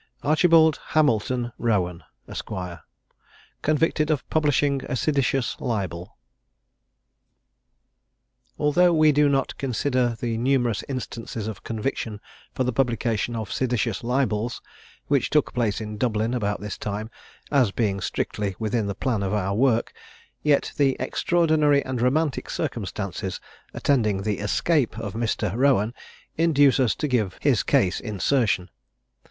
ARCHIBALD HAMILTON ROWAN, ESQ. CONVICTED OF PUBLISHING A SEDITIOUS LIBEL. Although we do not consider the numerous instances of conviction for the publication of seditious libels, which took place in Dublin about this time, as being strictly within the plan of our work, yet the extraordinary and romantic circumstances attending the escape of Mr. Rowan induce us to give his case insertion.